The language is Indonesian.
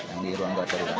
yang di ruang dua perudat